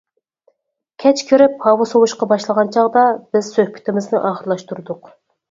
كەچ كىرىپ ھاۋا سوۋۇشقا باشلىغان چاغدا بىز سۆھبىتىمىزنى ئاخىرلاشتۇردۇق.